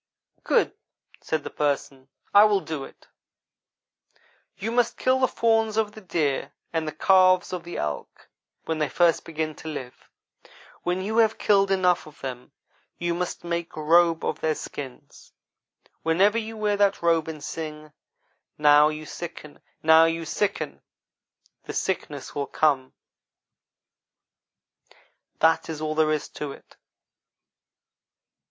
"'Good,' said the Person, 'I will do it; you must kill the fawns of the deer and the calves of the elk when they first begin to live. When you have killed enough of them you must make a robe of their skins. Whenever you wear that robe and sing "now you sicken, now you sicken," the sickness will come that is all there is to it.